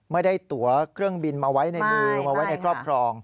ไม่ได้ตัวเครื่องบินมาไว้ในมือมาไว้ในครอบครอง